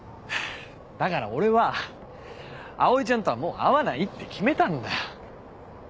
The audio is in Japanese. だから俺は葵ちゃんとはもう会わないって決めたんだ。